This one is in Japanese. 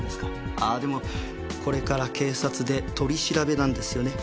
ああでもこれから警察で取り調べなんですよね？